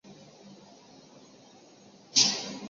说什么话